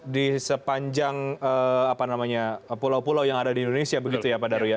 di sepanjang pulau pulau yang ada di indonesia begitu ya pak daru ya